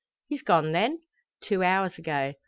"He's gone then?" "Two hours ago.